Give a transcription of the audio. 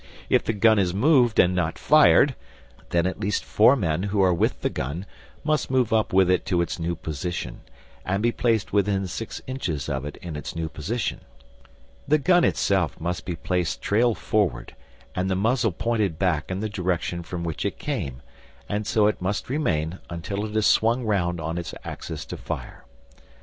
If the gun is moved and not fired, then at least four men who are with the gun must move up with it to its new position, and be placed within six inches of it in its new position. The gun itself must be placed trail forward and the muzzle pointing back in the direction from which it came, and so it must remain until it is swung round on its axis to fire.